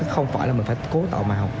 không phải là mình phải cố tạo màu